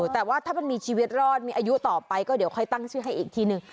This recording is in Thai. แต่ว่าถ้ามันมีชีวิตรอดมีอายุต่อไปก็เดี๋ยวค่อยตั้งชื่อให้อีกทีนึง